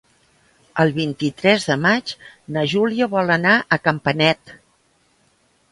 El vint-i-tres de maig na Júlia vol anar a Campanet.